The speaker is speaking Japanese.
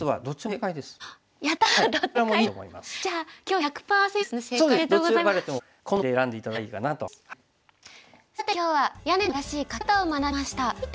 さて今日は「屋根の正しいかけ方」を学びました。